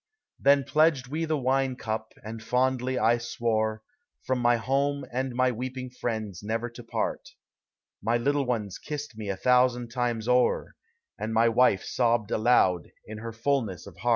Then pledged we the wine cup, and fondly I swore, From my home and my weeping friends never to part; My little ones kissed me a thousand times o'er, And my wife sobbed aloud in her fulness of heart.